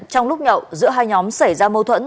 trong lúc nhậu giữa hai nhóm xảy ra mâu thuẫn